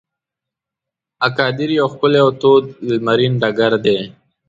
اګادیر یو ښکلی او تود لمرین ډګر دی.